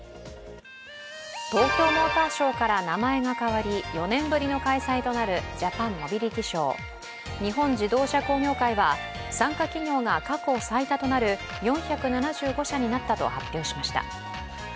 東京モーターショーから名前が変わり４年ぶりの開催なるＪＡＰＡＮＭＯＢＩＬＩＴＹＳＨＯＷ日本自動車工業会は参加企業が過去最多となる４７５社になったと発表しました。